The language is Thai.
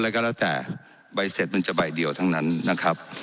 ก็แล้วแต่ใบเสร็จมันจะใบเดียวทั้งนั้นนะครับ